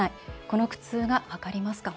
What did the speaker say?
この苦痛が分かりますか？」。